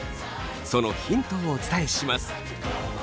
そのヒントをお伝えします。